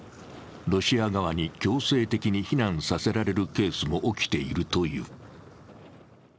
ロシア側に強制的に避難させられるケースも起きているという。